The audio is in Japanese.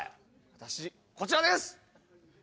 私こちらです。